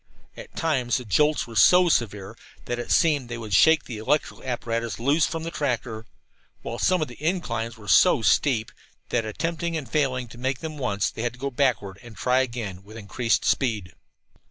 At times the jolts were so severe that it seemed they would shake the electrical apparatus loose from the tractor, while some of the inclines were so steep that, after attempting and failing to make them once, they had to go backward and then try again, with increased speed.